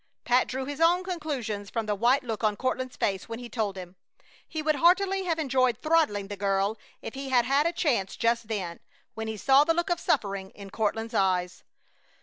Pat drew his own conclusions from the white look on Courtland's face when he told him. He would heartily have enjoyed throttling the girl if he had had a chance just then, when he saw the look of suffering in Courtland's eyes.